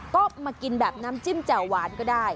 ก็มากินแบบน้ำจิ้มแจ่วหวานก็ได้